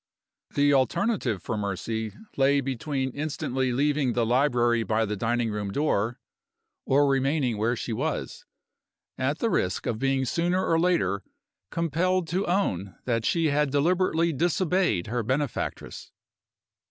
The alternative for Mercy lay between instantly leaving the library by the dining room door or remaining where she was, at the risk of being sooner or later compelled to own that she had deliberately disobeyed her benefactress.